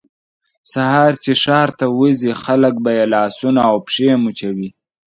سهار چې ښار ته وځي خلک به یې لاسونه او پښې مچوي.